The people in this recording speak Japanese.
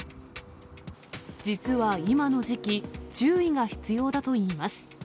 実は今の時期、注意が必要だといいます。